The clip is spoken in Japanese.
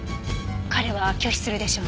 彼は拒否するでしょうね。